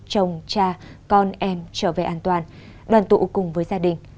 chồng cha con em trở về an toàn đoàn tụ cùng với gia đình